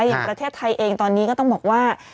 อย่างประเทศไทยเองตอนนี้ก็ต้องบอกว่า